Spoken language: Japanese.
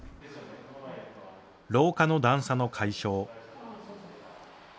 廊下の段差の解消。